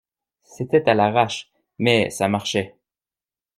C’était à l’arrache, mais ça marchait.